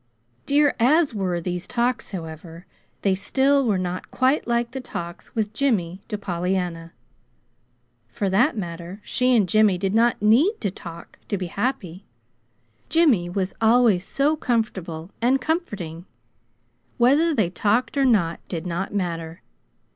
Dear as were these talks, however, they still were not quite like the talks with Jimmy, to Pollyanna. For that matter, she and Jimmy did not need to TALK to be happy. Jimmy was always so comfortable, and comforting; whether they talked or not did not matter.